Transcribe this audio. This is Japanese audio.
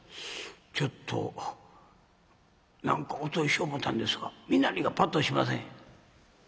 ちょっと何かお通ししよう思たんですが身なりがパッとしません」。